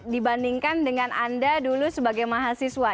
dibandingkan dengan anda dulu sebagai mahasiswa